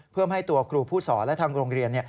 เพื่อให้ตัวครูผู้สอนและทางโรงเรียน